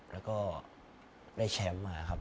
แล้วก็ได้แชมป์มาครับ